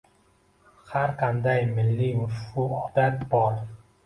Har qanday milliy urf-u odat bor.